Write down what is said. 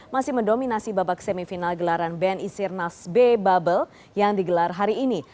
masih mendominasi babak semifinal gelaran bni sirkuit nasional yang digelar hari ini